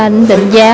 để ảnh định giá